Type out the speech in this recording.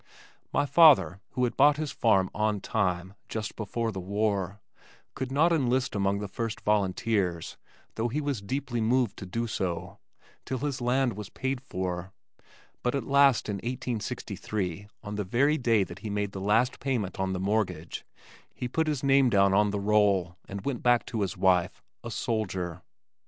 My father who had bought his farm "on time," just before the war, could not enlist among the first volunteers, though he was deeply moved to do so, till his land was paid for but at last in 1863 on the very day that he made the last payment on the mortgage, he put his name down on the roll and went back to his wife, a soldier.